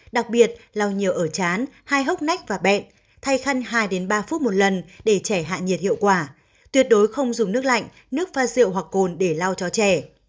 đặc biệt lau nhiều ở chán hai hốc nách và bẹn thay khăn hai ba phút một lần để trẻ hạ nhiệt hiệu quả tuyệt đối không dùng nước lạnh nước pha rượu hoặc cồn để lau cho trẻ